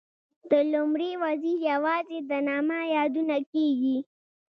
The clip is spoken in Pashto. د لومړي وزیر یوازې د نامه یادونه کېږي.